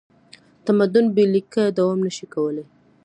تمدن بې له لیکه دوام نه شي کولی.